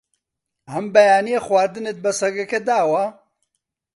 ئەم بەیانییە خواردنت بە سەگەکە داوە؟